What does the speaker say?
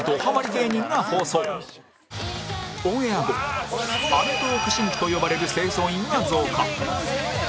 オンエア後「アメトーーク新規」と呼ばれる清掃員が増加